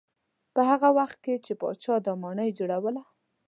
په هغه وخت کې چې پاچا دا ماڼۍ جوړوله.